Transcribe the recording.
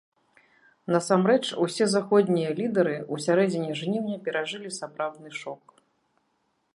Насамрэч, усе заходнія лідэры ў сярэдзіне жніўня перажылі сапраўдны шок.